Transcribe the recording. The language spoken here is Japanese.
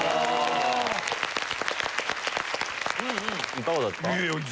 いかがだった？